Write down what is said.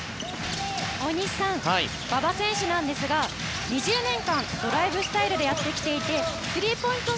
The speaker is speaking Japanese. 大西さん馬場選手なんですが２０年間、ドライブスタイルでやってきていてスリーポイント